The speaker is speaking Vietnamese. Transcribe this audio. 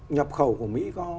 nhập khẩu của mỹ có